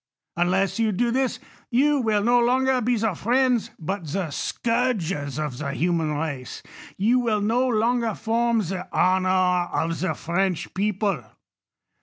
Unless you do this, you will no longer be the friends, but the scourges of the human race ; you will no longer form the honor of the French people.